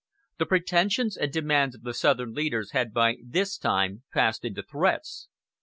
The pretensions and demands of the Southern leaders had by this time passed into threats.